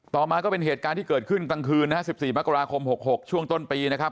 มาก็เป็นเหตุการณ์ที่เกิดขึ้นกลางคืนนะฮะ๑๔มกราคม๖๖ช่วงต้นปีนะครับ